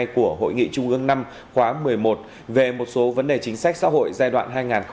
của hội nghị trung ương năm khóa một mươi một về một số vấn đề chính sách xã hội giai đoạn hai nghìn một mươi sáu hai nghìn hai mươi